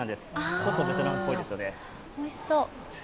ちょっとベトナムっぽいですよね。